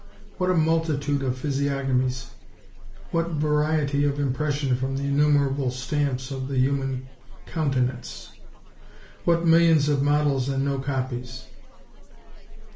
What a multitude of physiognomies! What variety of impression from the innumerable stamps of the human countenance! What millions of models and no copies!